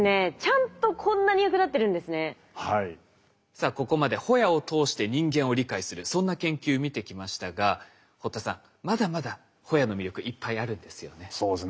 さあここまでホヤを通して人間を理解するそんな研究見てきましたが堀田さんまだまだホヤの魅力いっぱいあるんですよね？